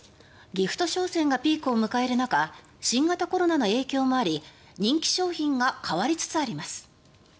ギフト商戦がピークを迎える中新型コロナの影響もあり人気商品が変わりつつあります。